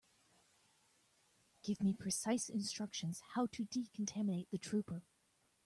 Give me precise instructions how to decontaminate the trooper.